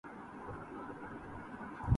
بچھڑ گیا تو بظاہر کوئی ملال نہیں